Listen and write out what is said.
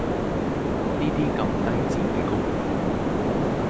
呢啲咁低賤嘅工